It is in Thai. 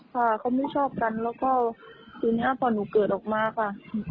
ค่ะเขาไม่ชอบกันแล้วก็คืนนี้พอหนูเกิดออกมาค่ะ